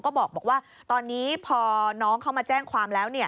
ก็บอกว่าตอนนี้พอน้องเขามาแจ้งความแล้วเนี่ย